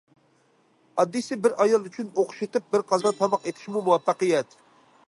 ئاددىيسى بىر ئايال ئۈچۈن ئوخشىتىپ بىر قازان تاماق ئېتىشمۇ مۇۋەپپەقىيەت.